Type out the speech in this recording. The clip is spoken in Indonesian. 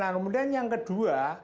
nah kemudian yang kedua